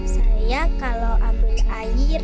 saya kalau ambil air